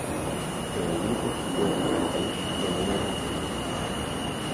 En el grupo fue el vocalista y el miembro más grande.